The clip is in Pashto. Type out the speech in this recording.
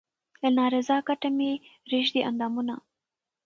له نا رضا کټه مې رېږدي اندامونه